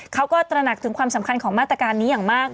ตระหนักถึงความสำคัญของมาตรการนี้อย่างมาก